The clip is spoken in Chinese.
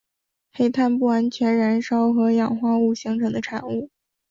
黑碳不完全燃烧和氧化形成的产物。